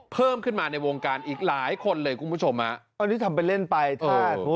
เพิ่มขึ้นมาในวงการอีกหลายคนเลยคุณผู้ชมฮะอันนี้ทำเป็นเล่นไปถ้า